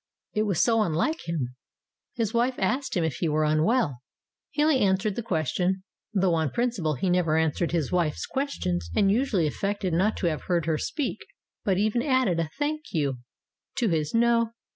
It was so unlike him. His wife asked him if he were unwell. He not only answered the question, though on prin ciple he never answered his wife's questions and usu ally affected not to have heard her speak, but he even added a "thank you" to his "no."